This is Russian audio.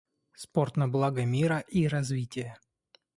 Спорт на благо мира и развития.